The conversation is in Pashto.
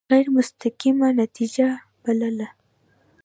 غیر مستقیمه نتیجه بلله.